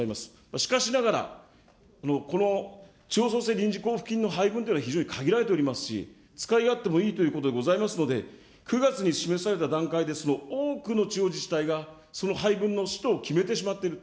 しかしながら、この地方創生臨時交付金の配分というのは非常に限られておりますし、使い勝手もいいということでございますので、９月に示された段階ですと、その多くの自治体がその配分の使途を決めてしまっていると。